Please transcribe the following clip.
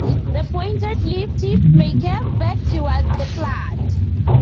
The pointed leaf tips may curve back towards the plant.